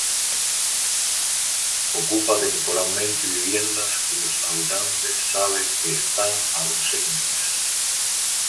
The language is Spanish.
Ocupa temporalmente viviendas cuyos habitantes sabe que están ausentes.